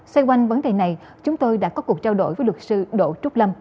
xoay quanh vấn đề này chúng tôi đã có cuộc trao đổi với luật sư đỗ trúc lâm